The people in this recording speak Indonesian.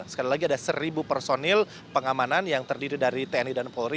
sekali lagi ada seribu personil pengamanan yang terdiri dari tni dan polri